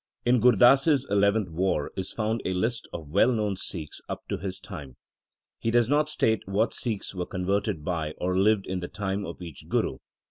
In Gur Das s eleventh War is found a list of well known Sikhs up to his time. He does not state what Sikhs were converted by or lived in the time of each Guru.